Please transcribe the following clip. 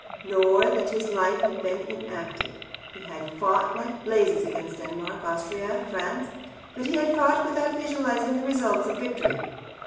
Not that his life had been inactive. He had fought like blazes against Denmark, Austria, France. But he had fought without visualizing the results of victory.